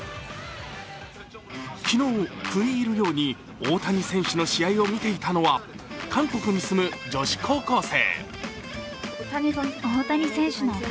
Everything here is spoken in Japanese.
昨日、食い入るように大谷選手の試合を見ていたのは韓国に住む女子高校生。